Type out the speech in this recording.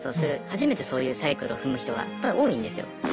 初めてそういうサイクルを踏む人がやっぱ多いんですよ。